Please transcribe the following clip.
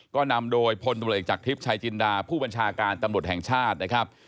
ก็นำโดยพลตำรวจเอกจากทิพย์ชายจินดาผู้บัญชาการตำรวจแห่งชาตินะครับ